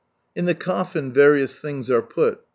In the coffin various things are put.